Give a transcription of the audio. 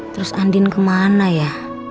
terus andin kemana ya